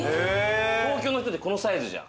東京の人ってこのサイズじゃん。